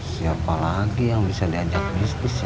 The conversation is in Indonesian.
siapa lagi yang bisa diajak bisnis ya